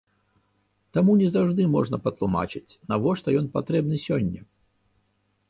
Таму не заўжды можна патлумачыць, навошта ён патрэбны сёння.